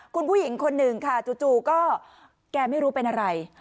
คุณผู้หญิงคนหนึ่งค่ะจู่ก็แกไม่รู้เป็นอะไร